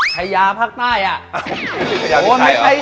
ชายาไม่ใช่หรอ